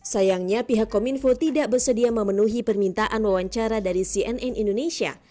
sayangnya pihak kominfo tidak bersedia memenuhi permintaan wawancara dari cnn indonesia